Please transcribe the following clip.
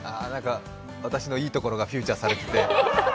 私のいいところがフィーチャーされてて。